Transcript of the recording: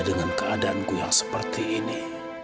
dengan keadaanku yang seperti ini